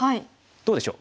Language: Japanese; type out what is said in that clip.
どうでしょう？